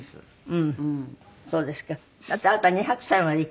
うん。